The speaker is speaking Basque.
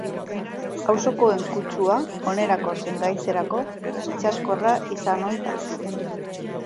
Auzokoen kutsua, onerako zein gaitzerako, itsaskorra izan ohi da.